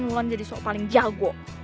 mulai jadi sok paling jago